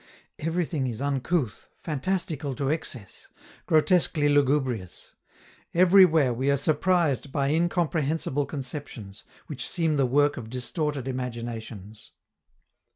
Everything is uncouth, fantastical to excess, grotesquely lugubrious; everywhere we are surprised by incomprehensible conceptions, which seem the work of distorted imaginations.